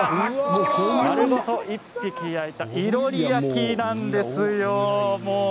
丸ごと１匹焼いたいろり焼きです。